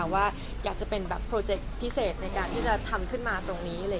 ว่าอยากจะเป็นแบบโปรเจคพิเศษในการที่จะทำขึ้นมาตรงนี้